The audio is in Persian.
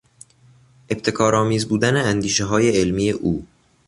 ابتکارآمیز بودن اندیشههای علمی او